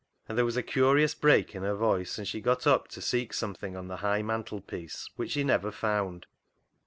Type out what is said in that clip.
And there was a curious break in her voice, and she got up to seek something on the high mantel piece which she never found.